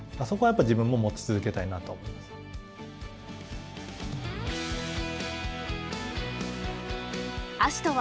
そこはやっぱ自分も持ち続けたいなと思います。